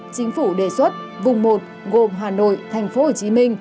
chính phủ đề xuất vùng một gồm hà nội tp hcm